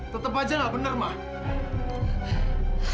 tetap saja gak benar ma